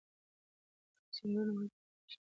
د ځنګلونو وهل د طبیعت دښمني ده.